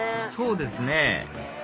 そうですね